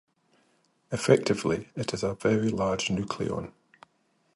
Effectively, it is a very large nucleon.